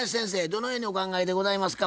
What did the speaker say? どのようにお考えでございますか？